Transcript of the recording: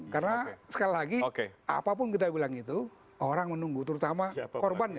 karena sekali lagi apapun kita bilang itu orang menunggu terutama korbannya